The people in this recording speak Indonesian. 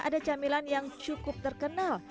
ada camilan yang cukup terkenal